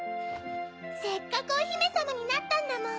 せっかくおひめさまになったんだもん。